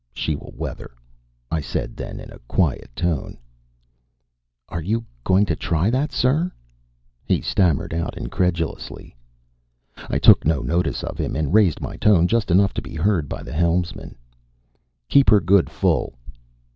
"She will weather," I said then in a quiet tone. "Are you going to try that, sir?" he stammered out incredulously. I took no notice of him and raised my tone just enough to be heard by the helmsman. "Keep her good full."